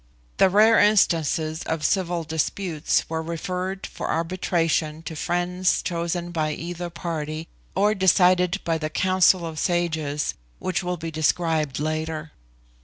The rare instances of civil disputes were referred for arbitration to friends chosen by either party, or decided by the Council of Sages, which will be described later.